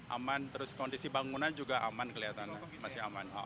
aman terus kondisi bangunan juga aman kelihatan masih aman